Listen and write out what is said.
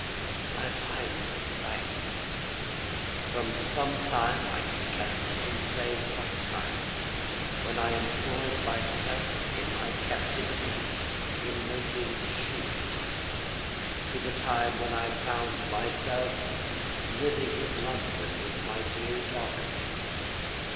My mind is a blank, from some time I cannot even say what time when I employed myself, in my captivity, in making shoes, to the time when I found myself living in London with my dear daughter here.